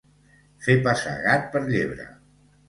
Fer passar gat per llebre